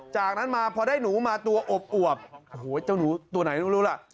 จากนั้นมาพอได้หนูมาตัวอวบโอ้โหเจ้าหนูตัวไหนรู้ล่ะ